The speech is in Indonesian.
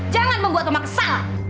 jangan membuat mama kesal